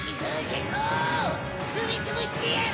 ふみつぶしてやる！